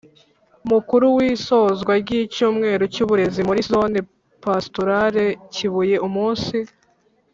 mukuru w’isozwa ry’icyumweru cy’uburezi muri zone pastorale kibuye. umunsi